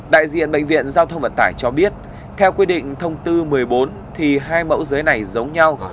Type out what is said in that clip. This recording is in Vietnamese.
đại diện bệnh viện giao thông vận tải cho biết theo quyết định thông tư một mươi bốn thì hai mẫu giới này giống nhau